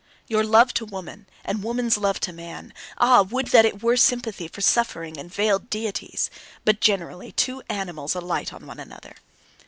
Your love to woman, and woman's love to man ah, would that it were sympathy for suffering and veiled deities! But generally two animals alight on one another.